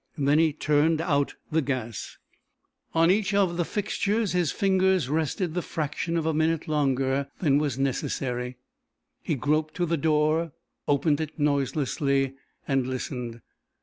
Then he turned out the gas. On each of the fixtures his fingers rested the fraction of a minute longer than was necessary. He groped to the door, opened it noiselessly and listened.